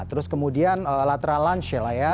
terus kemudian lateral lunge lah ya